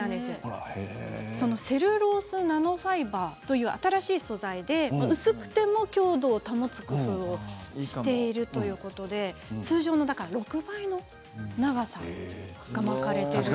セルロースナノファイバーという新しい素材で薄くても強度を保つ工夫をしているということで通常の６倍の長さが巻かれていると。